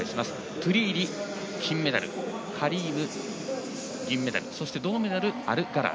トゥリーリ、金メダルカリーム、銀メダルそして銅メダル、アルガラア。